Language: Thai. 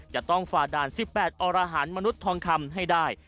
จะต้องฝ่าด่าน๑๘อรหารมนุษย์ทองคำให้ได้